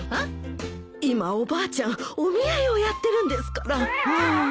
今おばあちゃんお見合いをやってるんですから。